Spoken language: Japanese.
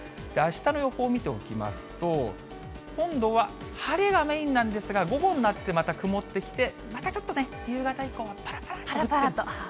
あしたの予報見てみますと、今度は晴れがメインなんですが、午後になって、また曇ってきて、またちょっとね、夕方以降、ぱらぱらっと。